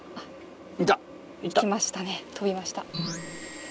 行きましたね飛びました。